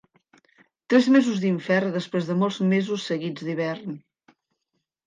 Tres mesos d'infern després de molts mesos seguits d'hivern.